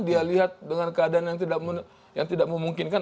dia lihat dengan keadaan yang tidak memungkinkan